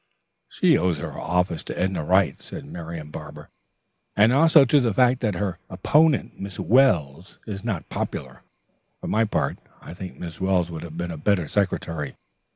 "She owes her office to Edna Wright," said Marian Barber, "and also to the fact that her opponent, Miss Wells, is not popular. For my part, I think Miss Wells would have been a better secretary.